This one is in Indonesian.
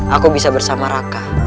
aku bisa bersama raka